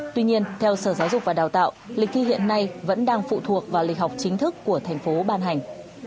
tuy nhiên theo sở giáo dục và đào tạo lịch thi hiện nay vẫn đang phụ thuộc vào lịch học chính thức của thành phố ban hành